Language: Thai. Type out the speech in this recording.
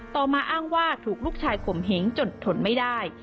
มาอ้างว่าถูกลูกชายข่มเหงจนทนไม่ได้